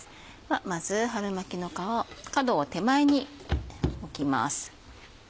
まず春巻きの皮角を手前に置きます。